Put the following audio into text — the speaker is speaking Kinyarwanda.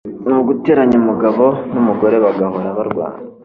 ni uguteranya umugabo n’umugore bagahora barwana